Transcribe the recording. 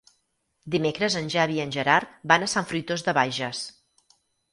Dimecres en Xavi i en Gerard van a Sant Fruitós de Bages.